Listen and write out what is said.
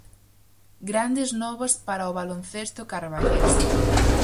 Grandes novas para o baloncesto carballés.